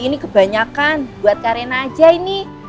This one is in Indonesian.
ki ini kebanyakan buat kak reyna aja ini